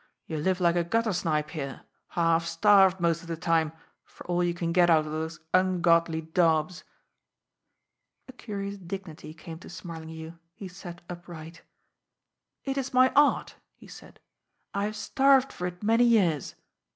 You live like a gutter snipe here half starved most of the time, for all you can get out of those ungodly daubs!" A curious dignity came to Smarlinghue. He sat upright. "It is my art," he said. "I have starved for it many years.